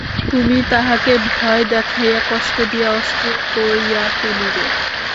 তুমি তাহাকে ভয় দেখাইয়া, কষ্ট দিয়া, অস্থির করিয়া তুলিবে।